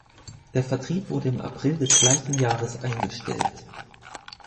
Der Vertrieb wurde im April des gleichen Jahres eingestellt.